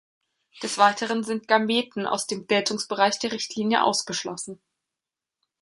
Des Weiteren sind Gameten aus dem Geltungsbereich der Richtlinie ausgeschlossen.